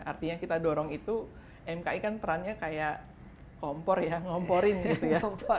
artinya kita dorong itu mki kan perannya kayak kompor ya ngomporin gitu ya